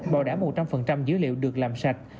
bảo đảm một trăm linh dữ liệu được làm sạch